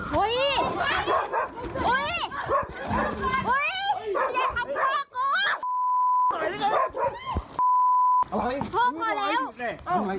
พอพอแล้ว